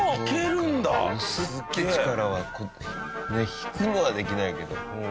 引くのはできないけど。